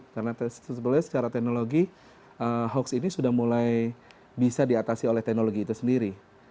karena sebetulnya secara teknologi hoax ini sudah mulai bisa diatasi oleh teknologi itu sendiri